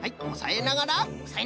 おさえながら。